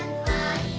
terima kasih pak hendrik